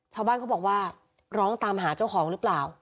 ชาวบ้านเขาบอกว่าร้องตามหาเจ้าของหรือเปล่า